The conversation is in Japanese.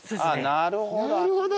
なるほど。